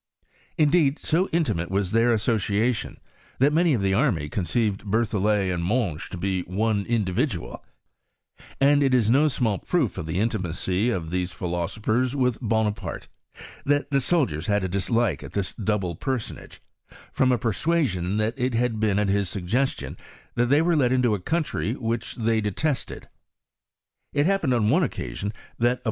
Indeed, so intimate was their association that many of the army conceived Berthollet and Monge to be one individual ; and it is no small proof of the intimacy of these philosophers with Bonaparte, that the soldiers had a dislike at this double per sonage, from a persuasion that it had been at his suggestion that tliey were led into a country which they detested. It happened on one occasion that a.